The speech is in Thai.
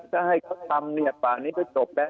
ถ้าให้เค้าทำเนี่ยว่าประมาณนี้ก็จบแล้ว